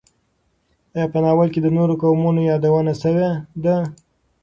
ایا په ناول کې د نورو قومونو یادونه شوې ده؟